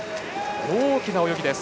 大きな泳ぎです。